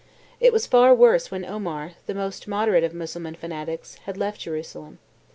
It was far worse when Omar, the most moderate of Mussulman fanatics, had left Jerusalem.